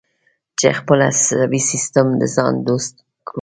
چې خپل عصبي سیستم د ځان دوست کړو.